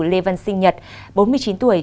lê văn sinh nhật bốn mươi chín tuổi